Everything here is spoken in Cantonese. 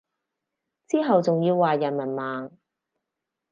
之後仲要話人文盲